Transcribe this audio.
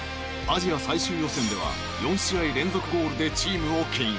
アジア最終予選では４試合連続ゴールでチームを牽引。